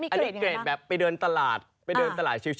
อันนี้เกรดแบบไปเดินตลาดชิว